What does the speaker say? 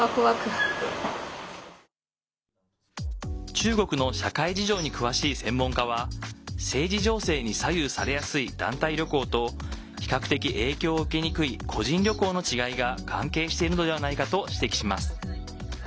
中国の社会事情に詳しい専門家は政治情勢に左右されやすい団体旅行と比較的影響を受けにくい個人旅行の違いが関係しているのではないかと指摘します。